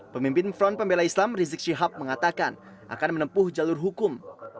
pemimpin front pembela islam rizik syihab mengatakan akan menempuh jalur hukum